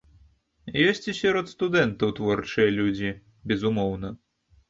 Ёсць і сярод студэнтаў творчыя людзі, безумоўна.